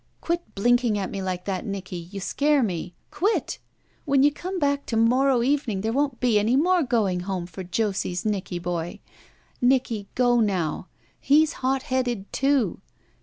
Quit blinking at me like that, Nicky. You scare me! Quit! When you come back to morrow evening there won't be any more going home for Josie's Nicky boy. Nicky, go now. He's hot headed, too.